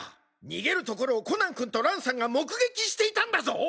逃げるところをコナン君と蘭さんが目撃していたんだぞ！